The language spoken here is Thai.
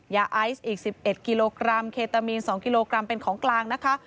ยาไอซ์อีก๑๑กิโลกรัมเคตามีน๒กิโลกรัมเป็นของกลางนะคะ